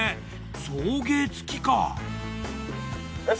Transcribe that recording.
送迎付きか。